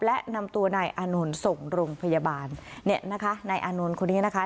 และนำตัวนายอานนท์ส่งโรงพยาบาลเนี่ยนะคะนายอานนท์คนนี้นะคะ